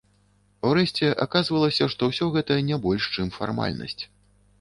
Урэшце аказвалася, што ўсё гэта не больш, чым фармальнасць.